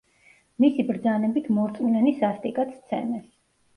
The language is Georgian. მისი ბრძანებით მორწმუნენი სასტიკად სცემეს.